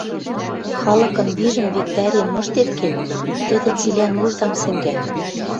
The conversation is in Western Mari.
Халыкын вижӹм виктӓрен мыштет гӹнь, тӹдӹ цилӓ нуждам сӹнгӓ